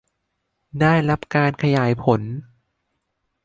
ได้รับการขยายผล